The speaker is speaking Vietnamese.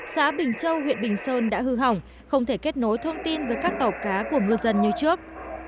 xã bình châu huyện bình sơn đã hư hỏng không thể kết nối thông tin với các tàu cá của ngư dân như trước